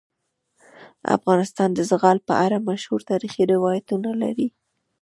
افغانستان د زغال په اړه مشهور تاریخی روایتونه لري.